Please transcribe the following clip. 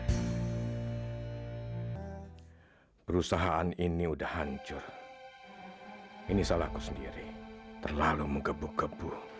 nah berusahaan ini udah hancur ini salah aku sendiri terlalu mau gebuk gebuk